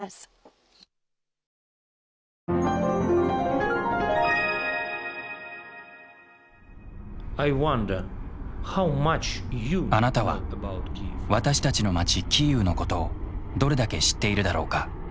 あなたは私たちの街キーウのことをどれだけ知っているだろうか。